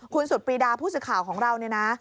คุณสุดปรีดาผู้สื่อข่าวของเราเนี่ยนะ